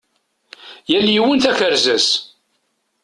Yal yiwen takerza-s.